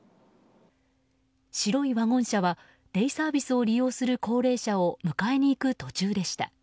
白いワゴン車はデイサービスを利用する高齢者を迎えに行く途中でした。